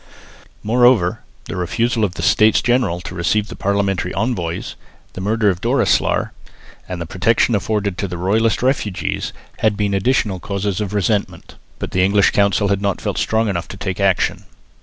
Moreover the refusal of the States General to receive the Parliamentary envoys, the murder of Doreslaer, and the protection afforded to royalist refugees, had been additional causes of resentment; but the English Council had not felt strong enough to take action.